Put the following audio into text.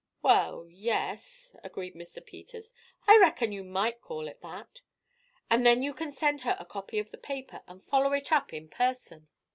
"Well, yes," agreed Mr. Peters. "I reckon you might call it that." "And then you can send her a copy of the paper, and follow it up in person."